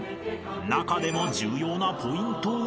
［中でも重要なポイントは］